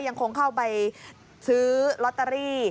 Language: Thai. ยังคงเข้าไปซื้อลอตเตอรี่